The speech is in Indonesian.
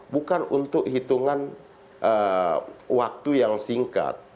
bukan untuk hitungan waktu yang singkat